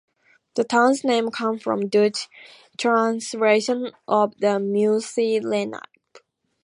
The town's name comes from the Dutch translation of the Munsee Lenape.